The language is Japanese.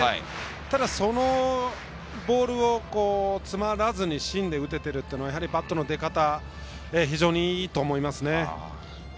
ただ、そのボールを詰まらずに芯で打てているというのはバットの出方が非常にいいと思いますね。